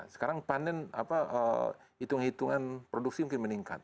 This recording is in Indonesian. sekarang panen hitung hitungan produksi mungkin meningkat